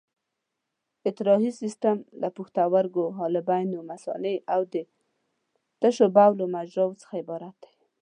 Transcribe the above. اطراحي سیستم له پښتورګو، حالبینو، مثانې او د تشو بولو مجراوو څخه عبارت دی.